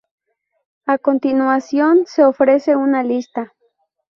A continuación se ofrece una lista.